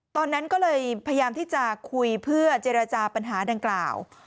ตอนนั้นก็เลยพยายามที่จะคุยเพื่อเจรจาปัญหาดังกล่าว